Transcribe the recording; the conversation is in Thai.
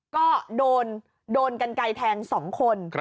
ก็โดนกันไกลแทง๒คน